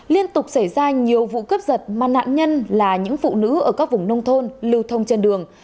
liên tục xảy ra nhiều vụ cướp giật mà nạn nhân là những phụ nữ ở các vùng nông thôn lưu thông trên đường